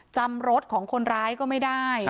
จำรถของคนร้ายก็ไม่ได้